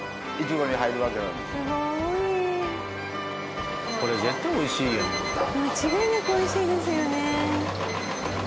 間違いなく美味しいですよね。